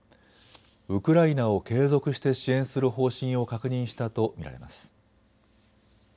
ウクライナを継続して支援する方針を確認したと見られます。